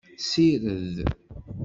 Sired.